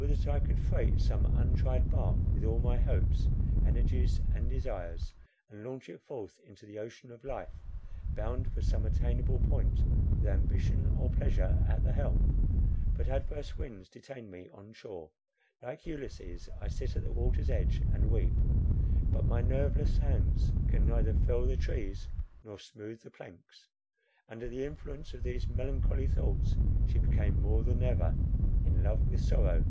Would that I could freight some untried bark with all my hopes, energies, and desires, and launch it forth into the ocean of life—bound for some attainable point, with ambition or pleasure at the helm! But adverse winds detain me on shore; like Ulysses, I sit at the water's edge and weep. But my nerveless hands can neither fell the trees, nor smooth the planks. Under the influence of these melancholy thoughts, she became more than ever in love with sorrow.